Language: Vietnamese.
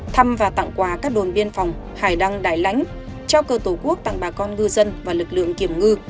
thăm và tặng quà các đồn biên phòng hải đăng đại lãnh trao cờ tổ quốc tặng bà con ngư dân và lực lượng kiểm ngư